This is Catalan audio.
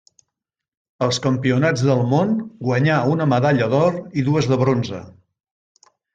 Als campionats del món guanyà una medalla d'or i dues de bronze.